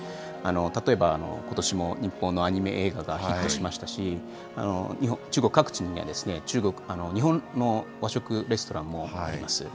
例えば、ことしも日本のアニメ映画がヒットしましたし、中国各地には日本の和食レストランもあります。